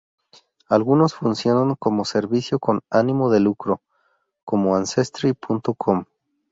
Algunos funcionan como servicio con ánimo de lucro, como Ancestry.com.